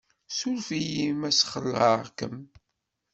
Suref-iyi ma ssxelεeɣ-kem.